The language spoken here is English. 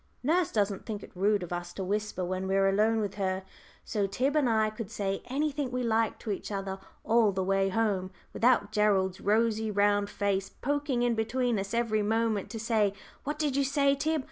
Nurse doesn't think it rude of us to whisper when we are alone with her, so Tib and I could say anything we liked to each other all the way home, without Gerald's rosy round face poking in between us every moment to say, "What did you say, Tib?"